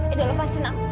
iduh lepasin aku